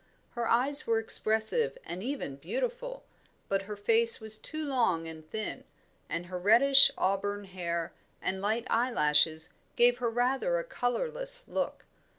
Her eyes were expressive and even beautiful, but her face was too long and thin, and her reddish auburn hair and light eyelashes gave her rather a colourless look.